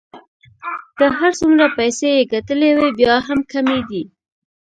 که هر څومره پیسې يې ګټلې وې بیا هم کمې دي.